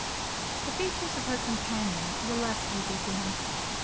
The features of her companion were less easy to him.